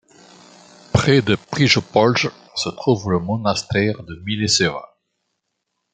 Près de Prijepolje se trouve le monastère de Mileševa.